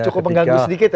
cukup mengganggu sedikit ya